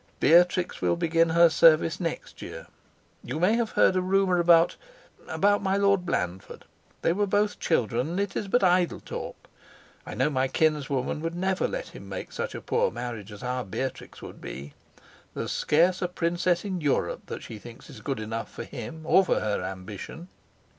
Beatrix will begin her service next year. You may have heard a rumor about about my Lord Blandford. They were both children; and it is but idle talk. I know my kinswoman would never let him make such a poor marriage as our Beatrix would be. There's scarce a princess in Europe that she thinks is good enough for him or for her ambition."